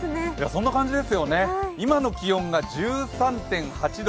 そんな感じですよね、今の気温が１８．８度。